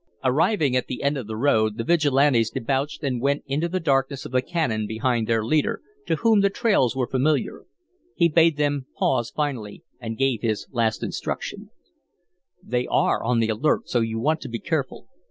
Arriving at the end of the road, the Vigilantes debouched and went into the darkness of the canon behind their leader, to whom the trails were familiar. He bade them pause finally, and gave his last instructions. "They are on the alert, so you want to be careful.